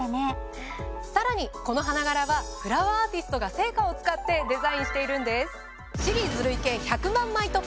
さらにこの花柄はフラワーアーティストが生花を使ってデザインしているんです。